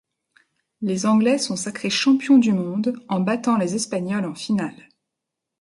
Les anglais sont sacrés champions du monde en battant les espagnols en finale.